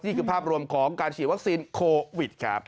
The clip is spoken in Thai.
นี่คือภาพรวมของการฉีดวัคซีนโควิดครับ